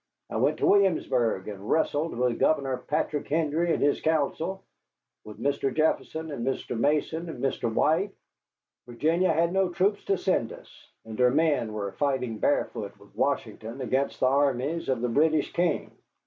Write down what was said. I went to Williamsburg and wrestled with Governor Patrick Henry and his council, with Mr. Jefferson and Mr. Mason and Mr. Wythe. Virginia had no troops to send us, and her men were fighting barefoot with Washington against the armies of the British king.